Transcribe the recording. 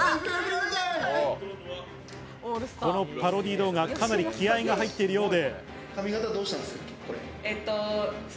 このパロディー動画、かなり気合いが入っているようで。